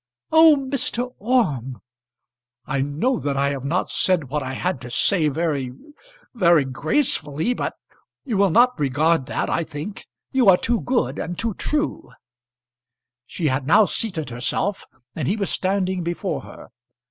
"Oh, Mr. Orme!" "I know that I have not said what I had to say very very gracefully. But you will not regard that I think. You are too good, and too true." She had now seated herself, and he was standing before her.